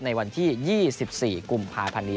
ในวันที่๒๔กุมภาพันธ์นี้